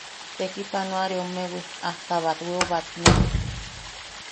Tekipanoareommewi hasta batweu batne.